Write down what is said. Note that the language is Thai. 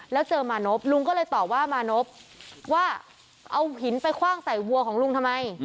แล้วเจอมานพลุงก็เลยตอบว่ามานพว่าเอาหินไปคว่างใส่วัวของลุงทำไม